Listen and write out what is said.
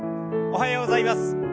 おはようございます。